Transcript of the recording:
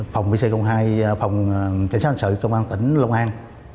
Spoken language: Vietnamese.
phòng pc hai phòng cảnh sát hành sự công an tỉnh long an